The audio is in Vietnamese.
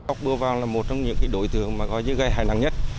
ốc biêu vàng là một trong những đối tượng gây hại nặng nhất